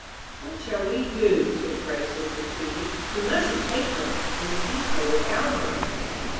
"What shall we do?" said Grace, looking at Susy; "we mustn't take her, and we can't go without her."